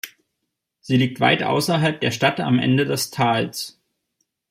Sie liegt weit außerhalb der Stadt am Ende des Tals.